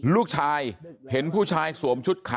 ลูกชายเห็นผู้ชายสวมชุดขา